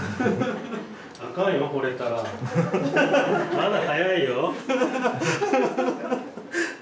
まだ早いよ。